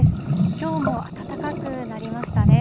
きょうも暖かくなりましたね。